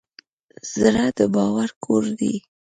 زړه د باور کور دی.